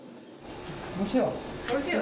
おいしいよ。